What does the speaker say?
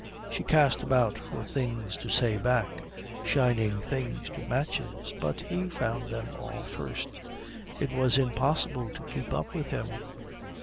She cast about for things to say back, shining things to match his, but he found them all first; it was impossible to keep up with him.